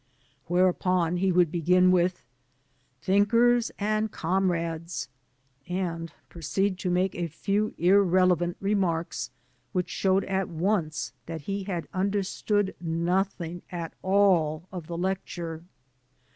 Whereupon he would begin with, " Thinkers and comrades," and proceed to make a few irrelevant re marks which showed at once that he had understood nothing at all of the lecture.